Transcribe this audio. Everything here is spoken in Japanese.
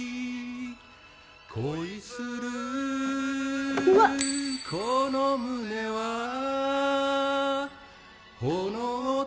恋するこの胸はうわっ！